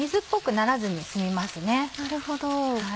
なるほど。